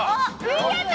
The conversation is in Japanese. いけた！